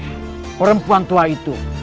tidak perempuan tua itu